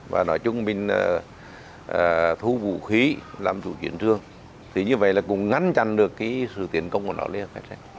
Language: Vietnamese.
và nói chung mình thu vũ khí làm chủ chuyển thương thì như vậy là cũng ngăn chặn được cái sự tiến công của nó lên